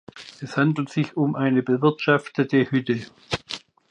Es handelt sich um eine bewirtschaftete Hütte.